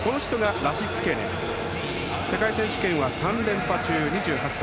ラシツケネ世界選手権は３連覇中、２８歳。